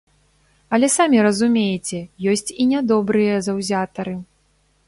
Але самі разумееце, ёсць і нядобрыя заўзятары.